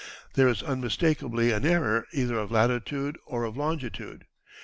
There is unmistakably an error either of latitude or of longitude.